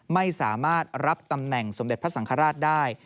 ไม่สามารถรับตำแหน่งสมเด็จพระสังฆราชได้